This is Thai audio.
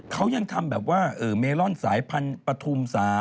เขายังทำแบบว่าเมลอนสายพันธุ์ปฐุม๓